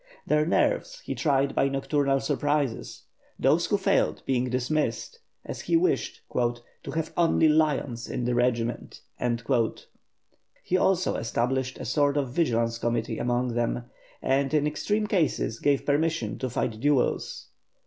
Their nerves he tried by nocturnal surprises, those who failed being dismissed, as he wished "to have only lions in the regiment." He also established a sort of vigilance committee among them, and in extreme cases gave permission to fight duels.